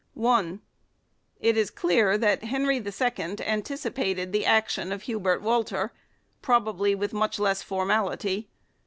i. It is clear that Henry II anticipated the action of Hubert Walter, probably with much less formality.